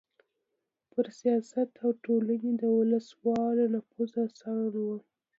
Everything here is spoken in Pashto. پر سیاست او ټولنې د وسله والو نفوذ اسانه و.